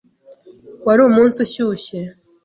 Wari umunsi ushyushye.